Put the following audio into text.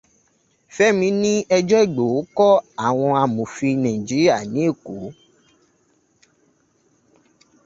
Fẹ́mi ní ẹjọ́ Ìgbòho kọ́ àwọn amòfin Nàíjíríà ní ẹ̀kọ́.